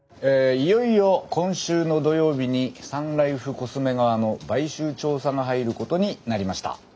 いよいよ今週の土曜日にサンライフコスメ側の買収調査が入ることになりました。